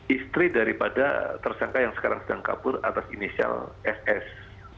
istri daripada tersangka yang sekarang sedang kabur atas inisial ss